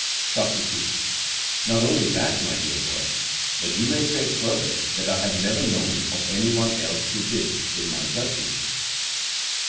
SOCRATES: Not only that, my dear boy, but you may say further that I have never known of any one else who did, in my judgment.